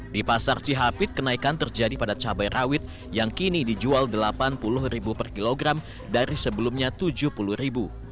di pasar cihapit kenaikan terjadi pada cabai rawit yang kini dijual rp delapan puluh per kilogram dari sebelumnya rp tujuh puluh